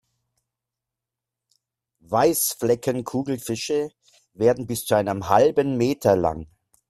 Weißflecken-Kugelfische werden bis zu einem halben Meter lang.